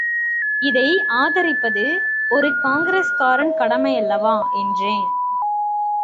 இதை ஆதரிப்பது ஒரு காங்கிரஸ்காரன் கடமை அல்லவா? என்றேன்.